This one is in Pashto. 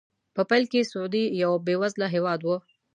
په پیل کې سعودي یو بې وزله هېواد و.